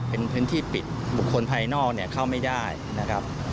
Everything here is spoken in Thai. เป็นพื้นที่ปิดบุคคลภายนอกเนี่ยเข้าไม่ได้นะครับ